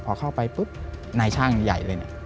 พอเข้าไปปุ๊บนายช่างใหญ่เลยเนี่ย